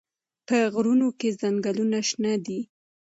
په غرونو کې ځنګلونه شنه دي.